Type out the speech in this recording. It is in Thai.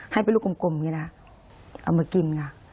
ให้เป็นลูกกลมอย่างนี้นะเอามากินค่ะ